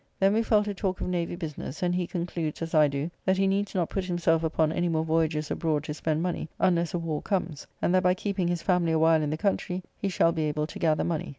Then we fell to talk of Navy business, and he concludes, as I do, that he needs not put himself upon any more voyages abroad to spend money, unless a war comes; and that by keeping his family awhile in the country, he shall be able to gather money.